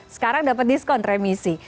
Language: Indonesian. sekarang dapat diskon remisi